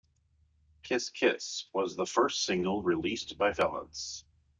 "Kiss Kiss" was the first single released by Valance.